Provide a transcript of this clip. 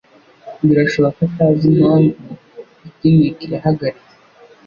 birashoboka ko atazi impamvu picnic yahagaritswe.